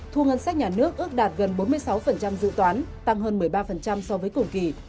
thu ngân sách nhà nước ước đạt gần bốn mươi sáu dự toán tăng hơn một mươi ba so với cùng kỳ